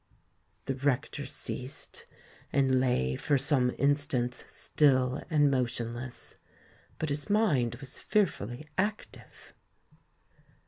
The rector ceased, and lay for some instants still and motionless. But his mind was fearfully active.